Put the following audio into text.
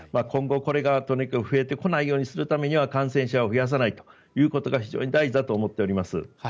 今後、これが増えてこないようにするためには感染者を増やさないことが非常に大事だと思っています。